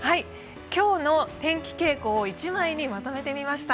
今日の天気傾向を１枚にまとめてみました。